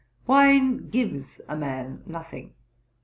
Wine gives a man nothing.